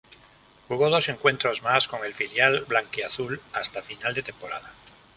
Jugó dos encuentros más con el filial blanquiazul hasta final de temporada.